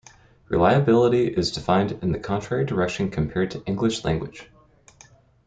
Reliability is defined in the contrary direction compared to English language.